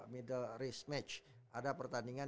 middle reach match ada pertandingan